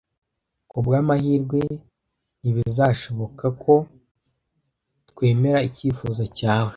Kubwamahirwe ntibizashoboka ko twemera icyifuzo cyawe.